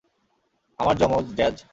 আমার জমজ, জ্যাজ।